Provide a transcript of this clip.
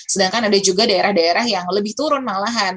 sedangkan ada juga daerah daerah yang lebih turun malahan